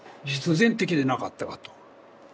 必然的でなかったかと。